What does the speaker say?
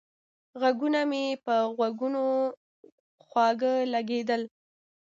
غږونه مې په غوږونو خواږه لگېدل